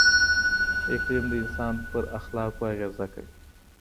اقلیم د انسان په اخلاقو اغېزه کوي.